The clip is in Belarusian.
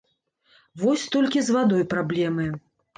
Вось толькі з вадой праблемы.